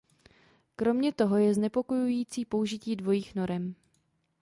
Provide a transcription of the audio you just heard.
Kromě toho je znepokojující použití dvojích norem.